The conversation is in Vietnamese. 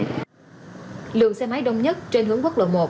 lượng xe máy đông nhất trên hướng quốc lộ một